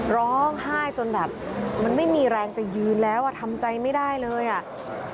ร้องไห้จนแบบมันไม่มีแรงจะยืนแล้วอ่ะทำใจไม่ได้เลยอ่ะ